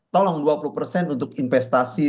tolong dua puluh persen untuk investasi